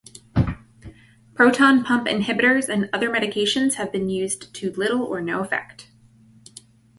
Proton pump inhibitors and other medications have been used to little or no effect.